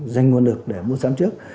dành nguồn lực để mua sẵn